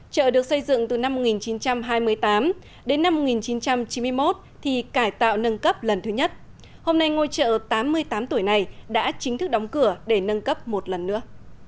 chợ được xây dựng từ năm một nghìn chín trăm hai mươi tám đến năm một nghìn chín trăm chín mươi một thì cải tạo nâng cấp lần thứ nhất hôm nay ngôi chợ tám mươi tám tuổi này đã chính thức đóng cửa để nâng cấp một lần nữa